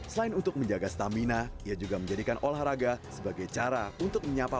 selain untuk menjaga stamina ia juga menjadikan olahraga sebagai cara untuk menyapa